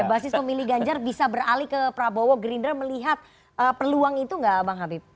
basis pemilih ganjar bisa beralih ke prabowo gerindra melihat peluang itu nggak bang habib